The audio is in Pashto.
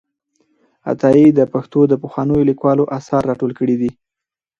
عطایي د پښتو د پخوانیو لیکوالو آثار راټول کړي دي.